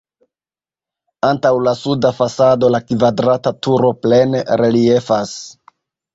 Antaŭ la suda fasado la kvadrata turo plene reliefas.